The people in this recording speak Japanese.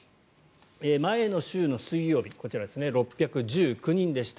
前の週の水曜日こちら、６１９人でした。